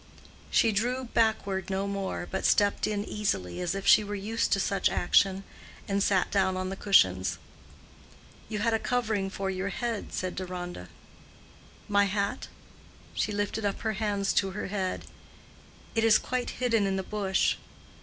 She drew backward no more, but stepped in easily, as if she were used to such action, and sat down on the cushions. "You had a covering for your head," said Deronda. "My hat?" (She lifted up her hands to her head.) "It is quite hidden in the bush."